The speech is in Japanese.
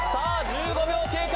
１５秒経過